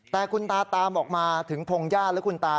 แต่คุณตาตามออกมาถึงพงหญ้าและคุณตา